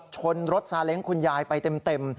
ชนรถซาเล้งคุณยายไปเต็ม